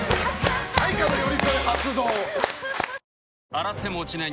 洗っても落ちない